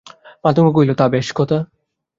মাতঙ্গ কহিল, তা বেশ কথা।